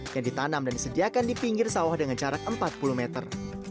yang ditanam dan disediakan di pinggir sawah dengan jarak empat puluh meter